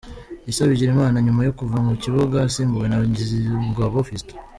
Issa Bigirimana nyuma yo kuva mu kibuga asimbuwe na Nkizingabo Fiston.